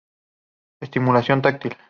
Estimulación táctil.